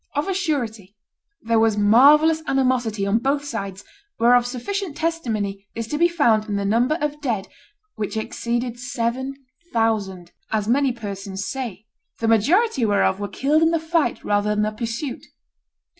Of a surety, there was marvellous animosity on both sides, whereof sufficient testimony is to be found in the number of dead, which exceeded seven thousand, as many persons say; the majority whereof were killed in the fight rather than the pursuit.